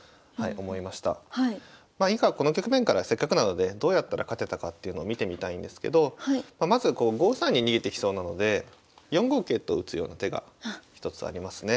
まあ以下この局面からせっかくなのでどうやったら勝てたかというのを見てみたいんですけどまずこう５三に逃げてきそうなので４五桂と打つような手が一つありますね。